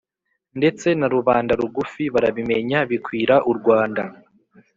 ndetse na rubanda rugufi barabimenya bikwira u r wanda